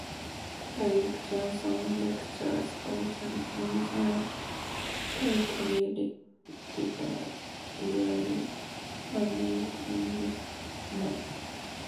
The Eric Johnston Lectures of the Northern Territory Library were named in his honour.